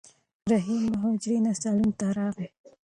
رحیم له حجرې نه صالون ته راغی.